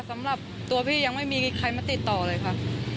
สำหรับตัวพี่ยังไม่มีใครมาติดต่อเลยค่ะ